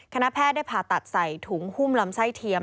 คณะแพทย์ได้ผ่าตัดใส่ถุงหุ้มลำไส้เทียม